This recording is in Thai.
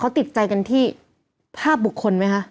เขาติดใจกันที่ภาพบุคคลไหมคะ